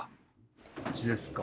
こっちですか？